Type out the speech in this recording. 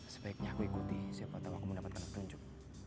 sebaiknya aku ikuti siapa tau aku mau dapatkan petunjuk